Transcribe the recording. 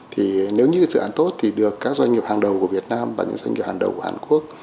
thì nếu như dự án tốt thì được các doanh nghiệp hàng đầu của việt nam và những doanh nghiệp hàng đầu của hàn quốc